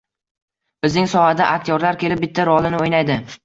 Bizning sohada aktyorlar kelib bitta rolini o‘ynaydi.